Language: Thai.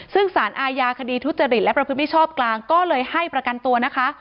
ซึ่งสารอาญาคดีทุจริตและประพฤติมิชชอบกลางก็เลยให้ประกันตัวนะคะ